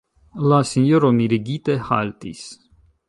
La sinjoro mirigite haltis.